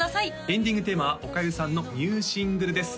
エンディングテーマはおかゆさんのニューシングルです